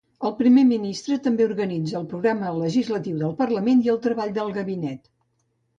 El primer ministre també organitza el programa legislatiu del Parlament i el treball del Gabinet.